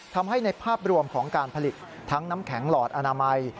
ทำให้ในภาพรวมของการผลิตทั้งน้ำแข็งหลอดอนามัย